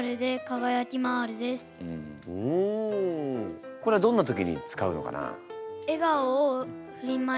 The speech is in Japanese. んこれはどんな時に使うのかな？